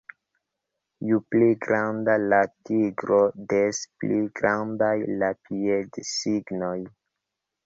Ju pli granda la tigro, des pli grandaj la piedsignoj.